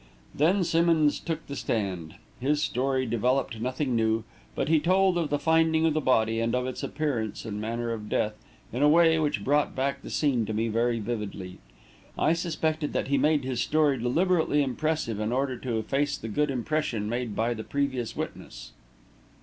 Then Simmonds took the stand. His story developed nothing new, but he told of the finding of the body and of its appearance and manner of death in a way which brought back the scene to me very vividly. I suspected that he made his story deliberately impressive in order to efface the good impression made by the previous witness.